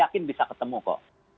mungkin bisa ketemu kok